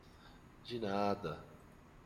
De nada.